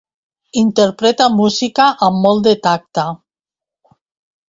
Interpreta música amb molt de tacte.